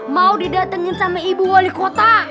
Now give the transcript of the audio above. mau didatengin sama ibu wali kota